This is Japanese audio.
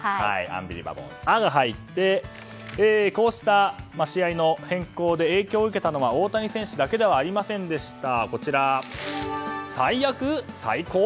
アンビリバボーの「ア」が入ってこうした試合の変更で影響を受けたのは大谷選手だけではありませんでした。